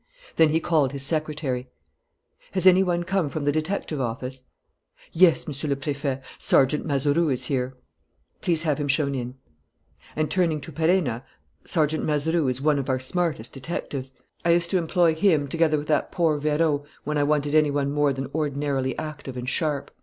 Then he called his secretary: "Has any one come from the detective office?" "Yes, Monsieur le Préfet; Sergeant Mazeroux is here." "Please have him shown in." And, turning to Perenna: "Sergeant Mazeroux is one of our smartest detectives. I used to employ him together with that poor Vérot when I wanted any one more than ordinarily active and sharp.